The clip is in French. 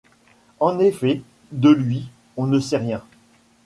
En effet, de lui, on ne sait rien.